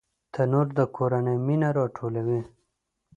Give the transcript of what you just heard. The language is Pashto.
تنور د کورنۍ مینه راټولوي